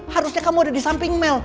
harusnya kamu ada di samping mel